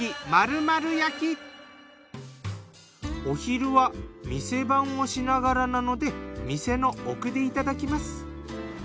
お昼は店番をしながらなので店の奥でいただきます。